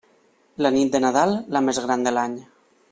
La nit de Nadal, la més gran de l'any.